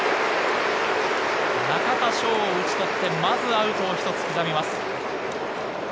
中田翔を打ち取って、まずアウトを一つ刻みます。